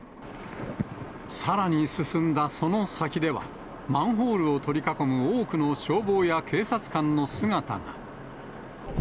さらに進んだその先では、マンホールを取り囲む多くの消防や警察官の姿が。